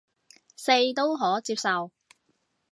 四都可接受